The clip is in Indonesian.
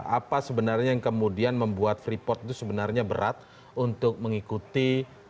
apa sebenarnya yang kemudian membuat freeport itu sebenarnya berat untuk mengikuti